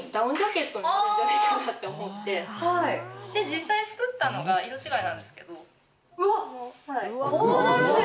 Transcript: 実際、作ったのが色違いなんですけれど。